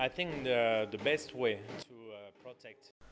tôi nghĩ là cách tốt nhất